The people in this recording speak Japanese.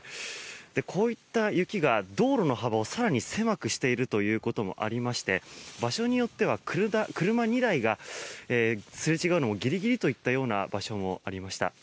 こういった雪が、道路の幅を更に狭くしていることもありまして場所によっては車２台がすれ違うのもギリギリといったような場所もありました。